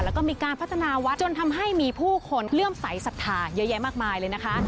แล้วก็มีการพัฒนาวัดจนทำให้มีผู้คนเลื่อมใสสัทธาเยอะแยะมากมายเลยนะคะ